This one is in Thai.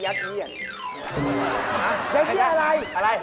ยัดเอียดอะไร